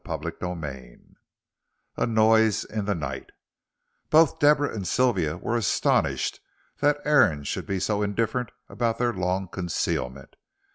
CHAPTER VI A NOISE IN THE NIGHT Both Deborah and Sylvia were astonished that Aaron should be so indifferent about their long concealment.